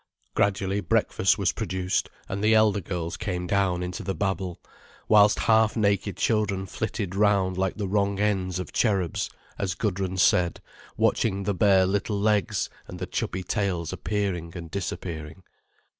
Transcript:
Gradually breakfast was produced, and the elder girls came down into the babel, whilst half naked children flitted round like the wrong ends of cherubs, as Gudrun said, watching the bare little legs and the chubby tails appearing and disappearing.